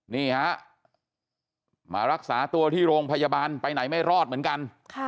นี่ฮะมารักษาตัวที่โรงพยาบาลไปไหนไม่รอดเหมือนกัน